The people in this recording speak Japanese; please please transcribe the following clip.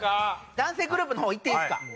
男性グループの方いっていいですか？